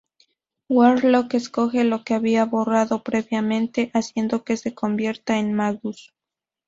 Warlock escoge la que había borrado previamente, haciendo que se convirtiera en Magus.